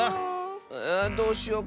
どうしよう。